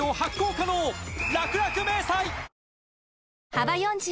幅４０